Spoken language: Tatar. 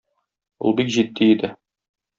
Ул бик җитди иде.